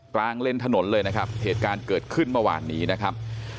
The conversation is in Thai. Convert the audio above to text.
เล่นถนนเลยนะครับเหตุการณ์เกิดขึ้นเมื่อวานนี้นะครับ